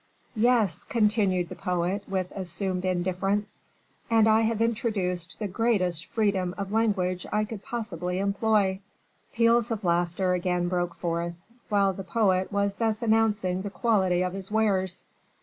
"Yes," continued the poet, with assumed indifference, "and I have introduced the greatest freedom of language I could possibly employ." Peals of laughter again broke forth, while the poet was thus announcing the quality of his wares.